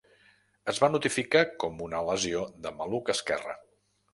Es va notificar com una lesió del maluc esquerre.